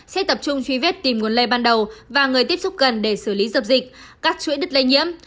sẽ tập trung truy vết tìm nguồn lây ban đầu và người tiếp xúc gần để xử lý dập dịch các chuỗi đứt lây nhiễm